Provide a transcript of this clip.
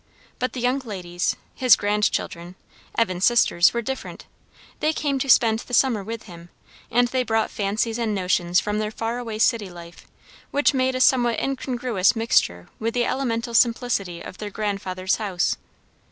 But the young ladies, his grandchildren, Evan's sisters, were different. They came to spend the summer with him, and they brought fancies and notions from their far away city life, which made a somewhat incongruous mixture with the elemental simplicity of their grandfather's house.